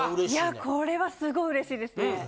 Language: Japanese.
いやこれはすごい嬉しいですね。